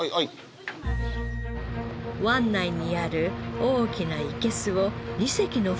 湾内にある大きないけすを２隻の船で移動。